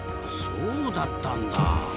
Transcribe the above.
そうだったんだ。